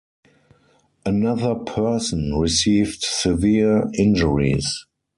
Another person received severe injuries.